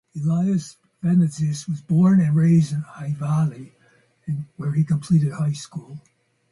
Elias Venezis was born and raised in Ayvali, where he completed high school.